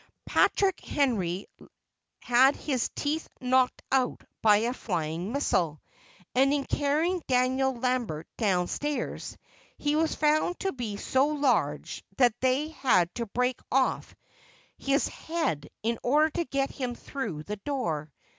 Patrick Henry had his teeth knocked out by a flying missile, and in carrying Daniel Lambert down stairs, he was found to be so large that they had to break off his head in order to get him through the door.